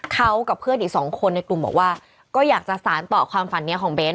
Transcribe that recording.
เขากับเพื่อนอีกสองคนในกลุ่มบอกว่าก็อยากจะสารต่อความฝันนี้ของเบ้น